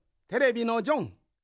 テレビのジョン。